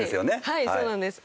はいそうなんです。